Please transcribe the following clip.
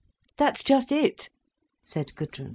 "That's just it," said Gudrun.